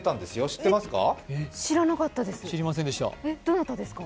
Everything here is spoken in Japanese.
知らなかったです。